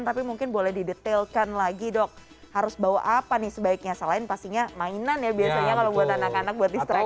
tapi mungkin boleh didetailkan lagi dok harus bawa apa nih sebaiknya selain pastinya mainan ya biasanya kalau buat anak anak buat di stret